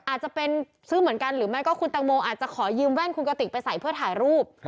อาจจะเป็นซื้อเหมือนกันหรือไม่ก็คุณตังโมอาจจะขอยืมแว่นคุณกติกไปใส่เพื่อถ่ายรูป